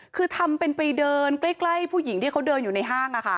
คือทำเป็นไปเดินใกล้ผู้หญิงที่เขาเดินอยู่ในห้าง